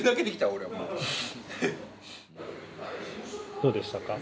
どうでしたか？